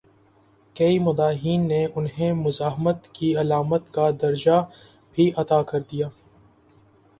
کئی مداحین نے انہیں مزاحمت کی علامت کا درجہ بھی عطا کر دیا۔